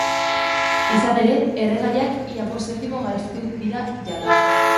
Izan ere, erregaiak ia bost zentimo garestitu dira jada.